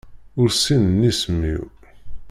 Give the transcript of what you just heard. Ur ssinen isem-iw.